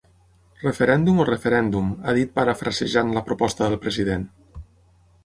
Referèndum o referèndum, ha dit parafrasejant la proposta del president.